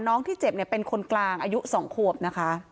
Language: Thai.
ที่เจ็บเนี่ยเป็นคนกลางอายุ๒ขวบนะคะ